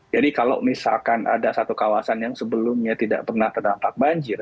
jadi kalau misalkan ada satu kawasan yang sebelumnya tidak pernah terdampak banjir